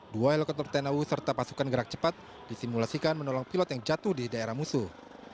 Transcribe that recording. dua helikopter tni au serta pasukan gerak cepat disimulasikan menolong pilot yang jatuh di daerah musuh